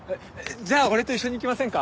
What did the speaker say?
じゃあ俺と一緒に行きませんか？